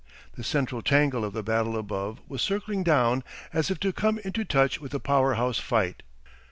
The central tangle of the battle above was circling down as if to come into touch with the power house fight.